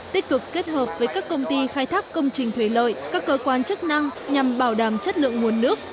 tích cực kết hợp với các công ty khai thác công trình thủy lợi các cơ quan chức năng nhằm bảo đảm chất lượng nguồn nước